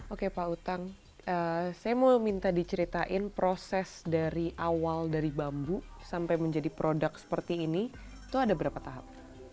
oke pak utang saya mau minta diceritain proses dari awal dari bambu sampai menjadi produk seperti ini itu ada berapa tahap